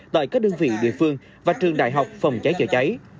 tại các đơn vị địa phương và trường đại học phòng cháy chữa cháy